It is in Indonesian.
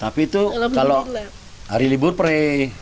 tapi itu kalau hari libur perih